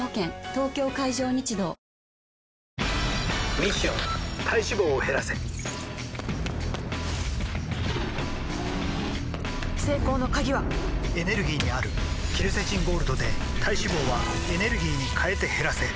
東京海上日動ミッション体脂肪を減らせ成功の鍵はエネルギーにあるケルセチンゴールドで体脂肪はエネルギーに変えて減らせ「特茶」